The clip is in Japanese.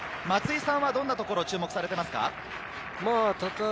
松井さんはどんなところ注目されますか？